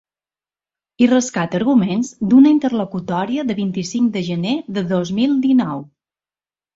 I rescata arguments d’una interlocutòria del vint-i-cinc de gener de dos mil dinou.